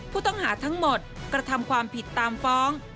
ผู้ต้องหาทั้งหมดกระทำความผิดตามฟ้อง